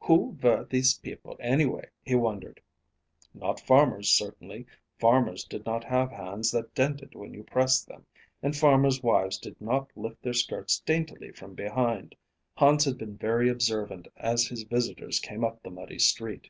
"Who were these people, anyway?" he wondered. Not farmers, certainly. Farmers did not have hands that dented when you pressed them, and farmers' wives did not lift their skirts daintily from behind. Hans had been very observant as his visitors came up the muddy street.